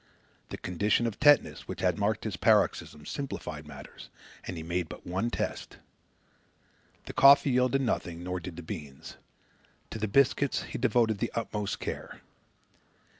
The condition of tetanus, which had marked his paroxysms, simplified matters, and he made but one test. The coffee yielded nothing; nor did the beans. To the biscuits he devoted the utmost care.